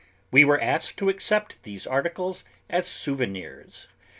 We were asked to accept these articles as souvenirs.